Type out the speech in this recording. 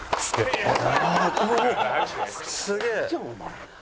すげえ。